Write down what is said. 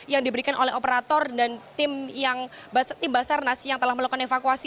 yang diberikan oleh operator dan tim basarnas yang telah melakukan evakuasi